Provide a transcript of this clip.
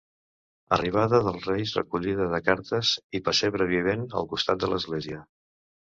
Arribada dels reis, recollida de cartes i pessebre vivent al costat de l'església.